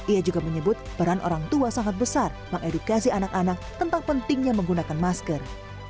ia juga menyebut peran orang tua sangat besar mengedukasi anak anak tentang pentingnya menggunakan masker